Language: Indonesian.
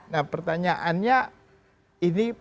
nah pertanyaannya ini